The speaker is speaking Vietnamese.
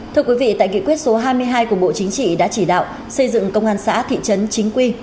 thưa quý vị tại nghị quyết số hai mươi hai của bộ chính trị đã chỉ đạo xây dựng công an xã thị trấn chính quy